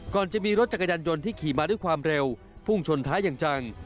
จะมีรถจักรยานยนต์ที่ขี่มาด้วยความเร็วพุ่งชนท้ายอย่างจัง